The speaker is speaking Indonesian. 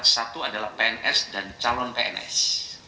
satu adalah pns dan calon pns